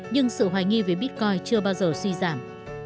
nhưng sự hoài nghi về bitcoin chưa bao giờ suy giảm